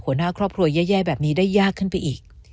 หัวหน้าครอบครัวแย่แบบนี้ได้ยากขึ้นไปอีก